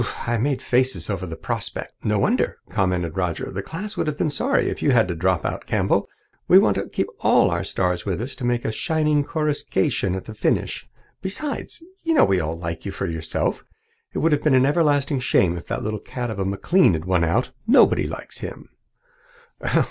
Whew! I made faces over the prospect." "No wonder," commented Roger. "The class would have been sorry if you had had to drop out, Campbell. We want to keep all our stars with us to make a shining coruscation at the finish. Besides, you know we all like you for yourself. It would have been an everlasting shame if that little cad of a McLean had won out. Nobody likes him."